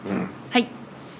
はい。